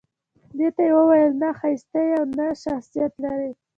دې ته يې وويل نه ښايسته يې او نه شخصيت لرې